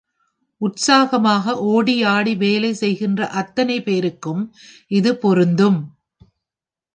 உற்சாகமாக ஒடியாடி வேலை செய்கின்ற அத்தனை பேருக்கும் இது பொருந்தும்.